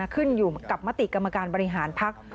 ขึ้นอยู่กับมติกรรมการบริหารพัก